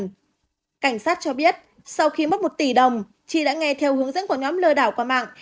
cảnh sát cho biết sau khi mất một tỷ đồng chi đã nghe theo hướng dẫn của nhóm lừa đảo qua mạng